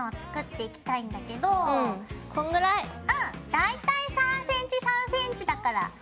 大体３ｃｍ３ｃｍだから。